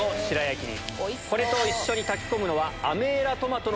これと一緒に炊き込むのは。